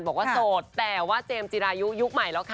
โสดแต่ว่าเจมส์จิรายุยุคใหม่แล้วค่ะ